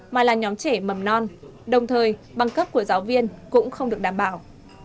mà là nhóm trẻ mầm non đồng thời bằng cấp của giáo viên cũng không được đảm bảo